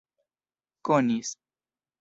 konis